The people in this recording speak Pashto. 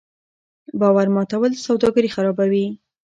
باور ماتول سوداګري خرابوي.